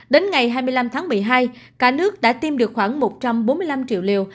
đến ngày hai mươi năm tháng một mươi hai cả nước đã tiêm được khoảng một trăm bốn mươi năm triệu liều